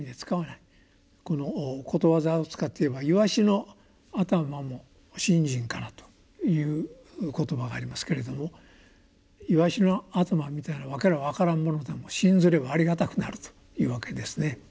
このことわざを使って言えば「鰯の頭も信心から」という言葉がありますけれども鰯の頭みたいな訳の分からんものでも信ずればありがたくなるというわけですね。